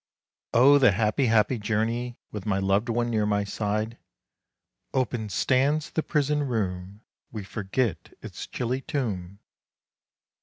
Oh! the happy, happy journey, With my loved one near my side! Open stands the prison room; We forget its chilly tomb.